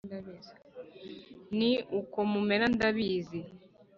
ni uko muwemera ndabizi